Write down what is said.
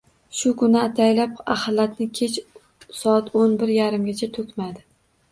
Shu kuni ataylab axlatni kech soat o`n bir yarimgacha to`kmadi